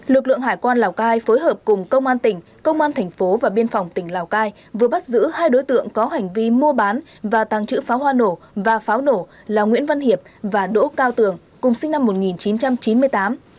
lực lượng hải quan lào cai phối hợp cùng công an tỉnh công an thành phố và biên phòng tỉnh lào cai vừa bắt giữ hai đối tượng có hành vi mua bán và tàng trữ pháo hoa nổ và pháo nổ là nguyễn văn hiệp và đỗ cao tường cùng sinh năm một nghìn chín trăm chín mươi tám